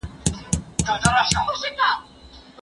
زه به تکړښت کړی وي!!